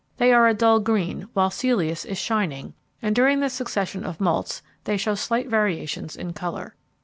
They are a dull green, while Celeus is shining, and during the succession of moults, they show slight variations in colour.